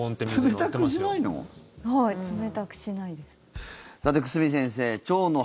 冷たくしないの？